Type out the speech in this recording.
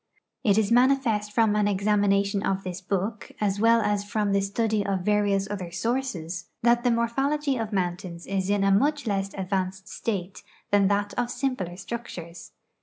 It is manifest from an examination of this book, as well as from the study of various other sources, that the morphology of mountains is in a much less advanced state than that of simpler structures.